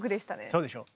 そうでしょう。